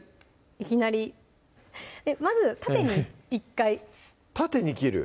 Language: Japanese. いきなりまず縦に１回縦に切る？